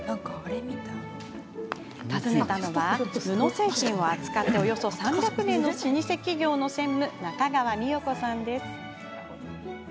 訪ねたのは、布製品を扱っておよそ３００年の老舗企業の専務中川みよ子さん。